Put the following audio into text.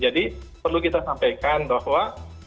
jadi perlu kita sampaikan bahwa